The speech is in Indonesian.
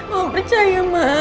mau percaya ma